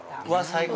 最高！